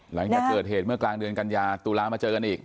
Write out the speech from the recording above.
หลังจากเกิดเหตุเมื่อกลางเดือนกันยาตุลามาเจอกันอีก